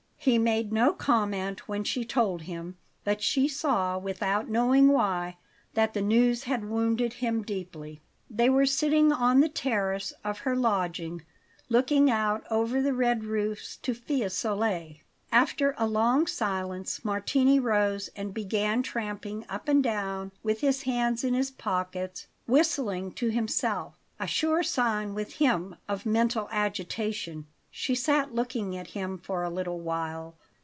He made no comment when she told him; but she saw, without knowing why, that the news had wounded him deeply. They were sitting on the terrace of her lodging, looking out over the red roofs to Fiesole. After a long silence, Martini rose and began tramping up and down with his hands in his pockets, whistling to himself a sure sign with him of mental agitation. She sat looking at him for a little while.